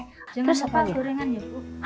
jangan lupa gorengan ya bu